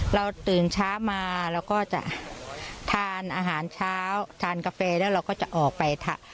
เราตื่นเช้ามาเราก็จะทานอาหารเช้าทานกาแฟแล้วเราก็จะออกไป